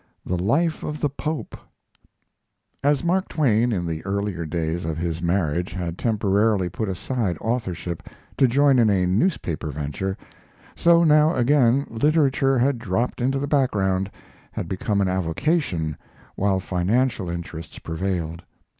THE LIFE OF THE POPE As Mark Twain in the earlier days of his marriage had temporarily put aside authorship to join in a newspaper venture, so now again literature had dropped into the background, had become an avocation, while financial interests prevailed.